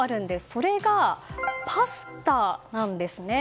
それが、パスタなんですね。